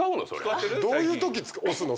どういうとき押すの？